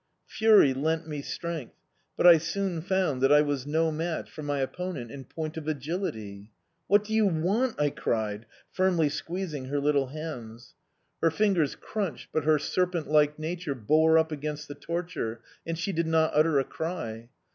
Fury lent me strength, but I soon found that I was no match for my opponent in point of agility... "What do you want?" I cried, firmly squeezing her little hands. Her fingers crunched, but her serpent like nature bore up against the torture, and she did not utter a cry.